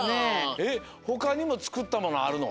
えっほかにもつくったものあるの？